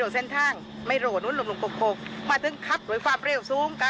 ห้าพีกว่าแล้ว